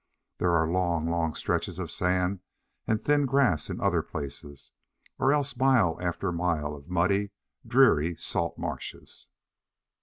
There are long, long stretches of sand and thin grass in other places, or else mile after mile of muddy, dreary, salt marshes.